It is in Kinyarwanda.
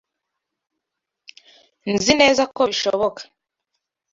Nzi neza ko bishoboka.